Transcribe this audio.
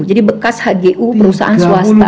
jadi bekas hgu perusahaan swasta